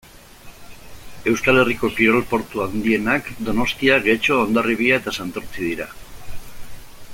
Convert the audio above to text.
Euskal Herriko kirol-portu handienak Donostia, Getxo, Hondarribia eta Santurtzi dira.